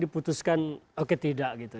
diputuskan oke tidak gitu